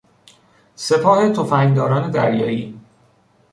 سپاه تفنگداران دریایی